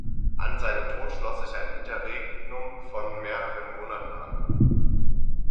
An seinen Tod schloss sich ein Interregnum von mehreren Monaten an.